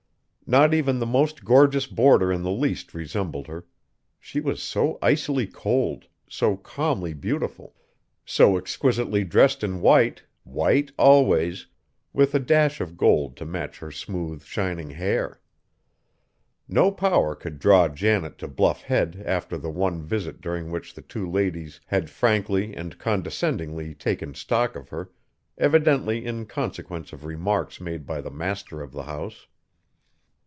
Not even the most gorgeous boarder in the least resembled her. She was so icily cold, so calmly beautiful; so exquisitely dressed in white, white always, with a dash of gold to match her smooth, shining hair! No power could draw Janet to Bluff Head after the one visit during which the two ladies had frankly and condescendingly taken stock of her, evidently in consequence of remarks made by the master of the house.